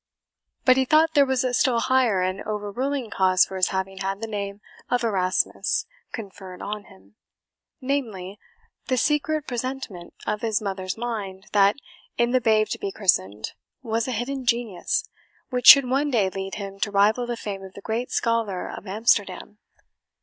But he thought there was a still higher and overruling cause for his having had the name of Erasmus conferred on him namely, the secret presentiment of his mother's mind that, in the babe to be christened, was a hidden genius, which should one day lead him to rival the fame of the great scholar of Amsterdam.